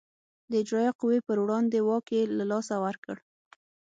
د اجرایه قوې پر وړاندې واک یې له لاسه ورکړ.